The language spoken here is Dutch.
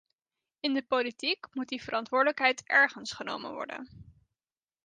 In de politiek moet die verantwoordelijkheid ergens genomen worden.